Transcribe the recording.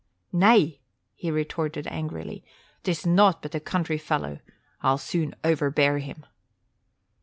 "Nay," he retorted angrily, "'tis nought but a country fellow. I'll soon overbear him."